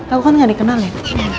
aku kan gak dikenal ya